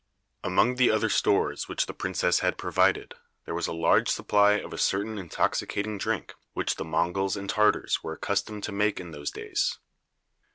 Among the other stores which the princess had provided, there was a large supply of a certain intoxicating drink which the Monguls and Tartars were accustomed to make in those days.